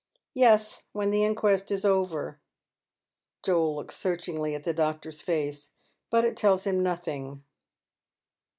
" Yes, when the inquest is over." Joel looks searchingly at the doctor's face, but it tells him nothing.